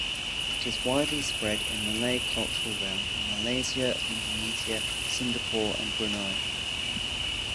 It is widely spread in Malay cultural realm in Malaysia, Indonesia, Singapore and Brunei.